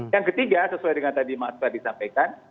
yang ketiga sesuai dengan tadi mas fahd disampaikan